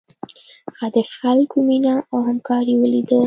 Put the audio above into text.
هغه د خلکو مینه او همکاري ولیده.